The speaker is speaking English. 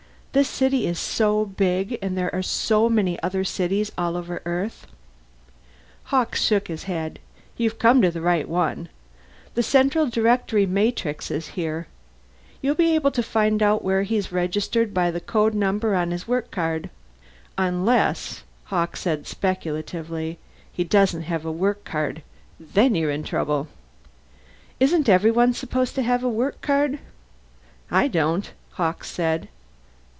This city is so big and there are so many other cities all over Earth " Hawkes shook his head. "You've come to the right one. The Central Directory Matrix is here. You'll be able to find out where he's registered by the code number on his work card. Unless," Hawkes said speculatively, "he doesn't have a work card. Then you're in trouble." "Isn't everyone supposed to have a work card?" "I don't," Hawkes said.